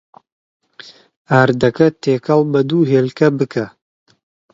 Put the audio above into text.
ئاردەکە تێکەڵ بە دوو هێلکە بکە.